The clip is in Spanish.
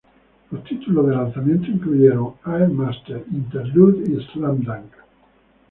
Los títulos de lanzamiento incluyeron "Air Master", "Interlude" y "Slam Dunk".